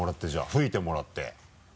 吹いてもらって。